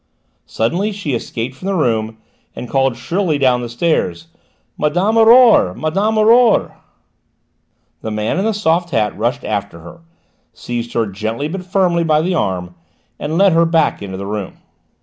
Suddenly she escaped from the room, and called shrilly down the stairs: "Madame Aurore! Madame Aurore!" The man in the soft hat rushed after her, seized her gently but firmly by the arm, and led her back into the room.